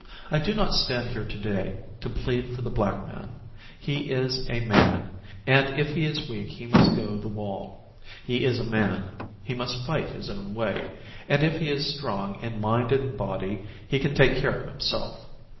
I do not stand here to day to plead for the black man. He is a man; and if he is weak he must go the wall. He is a man; he must fight his own way, and if he is strong in mind and body, he can take care of himself.